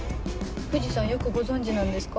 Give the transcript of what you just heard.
藤さんよくご存じなんですか？